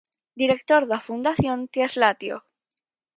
Director da Fundación Traslatio.